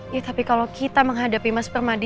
ya tapi kalau kita menghadapi mas permadi